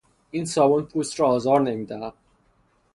این صابون پوست را آزار نمیدهد.